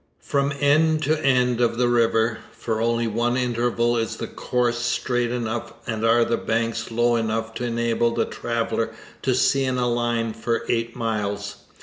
From end to end of the river, for only one interval is the course straight enough and are the banks low enough to enable the traveller to see in a line for eight miles.